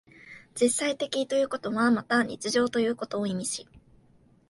実際的ということはまた日常的ということを意味し、